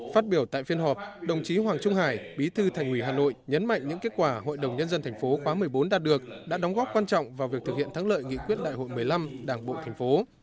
phát biểu tại phiên họp đồng chí hoàng trung hải bí thư thành ủy hà nội nhấn mạnh những kết quả hội đồng nhân dân thành phố khóa một mươi bốn đạt được đã đóng góp quan trọng vào việc thực hiện thắng lợi nghị quyết đại hội một mươi năm đảng bộ thành phố